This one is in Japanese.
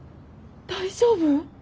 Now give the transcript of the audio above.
大丈夫？